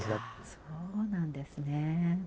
そうなんですね。